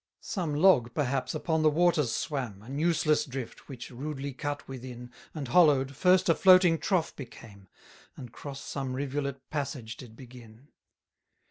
156 Some log perhaps upon the waters swam, An useless drift, which, rudely cut within, And, hollow'd, first a floating trough became, And cross some rivulet passage did begin.